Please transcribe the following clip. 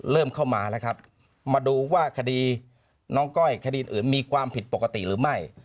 เริ่มเข้ามาแล้วครับมาดูว่าคดีน้องก้อยคดีอื่นมีความผิดปกติหรือไม่